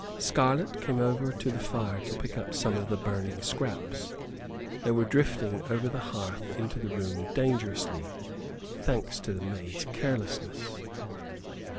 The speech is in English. Scarlett came over to the fire to pick up some of the burning scraps. They were drifting over the hearth into the room dangerously, thanks to the maid's carelessness.